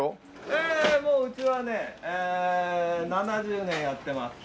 ええもううちはね７０年やってます。